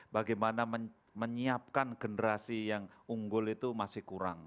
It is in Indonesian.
bagaimana menyiapkan generasi yang unggul itu masih kurang